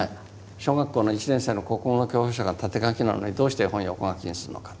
小学校の１年生の国語の教科書が縦書きなのにどうして絵本を横書きにするのかと。